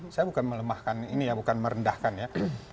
saya bukan melemahkan ini ya bukan merendahkan ya